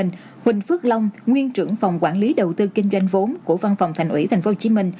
huỳnh phước long nguyên trưởng phòng quản lý đầu tư kinh doanh vốn của văn phòng thành ủy tp hcm